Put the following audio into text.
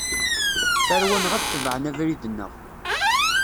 Tarwa-nneɣ ad tebɛen abrid-nneɣ.